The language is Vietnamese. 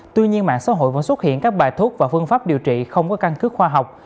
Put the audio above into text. tuy nhiên mạng xã hội vẫn xuất hiện các bài thuốc và phương pháp điều trị không có căn cứ khoa học